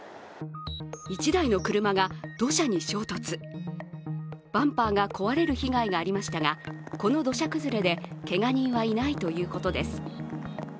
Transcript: １台の車が土砂に衝突、バンパーが壊れる被害がありましたがこの土砂崩れでけが人はいないということです。